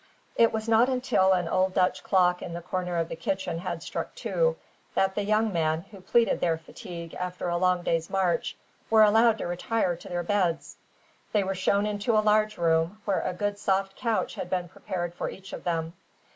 It was not until an old Dutch clock in a corner of the kitchen had struck two, that the young men who pleaded their fatigue after a long day's march were allowed to retire to their beds. They were shown into a large room, where a good soft couch had been prepared for each of them.